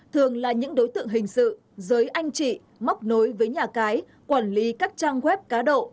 thường là những đối tượng hình sự giới anh chị móc nối với nhà cái quản lý các trang web cá độ